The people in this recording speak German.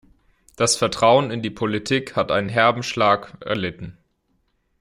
Das Vertrauen in die Politik hat einen herben Schlag erlitten.